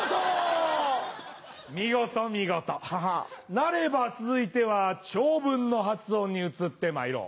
なれば続いては長文の発音に移ってまいろう。